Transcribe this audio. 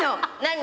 何？